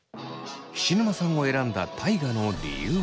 菱沼さんを選んだ大我の理由は。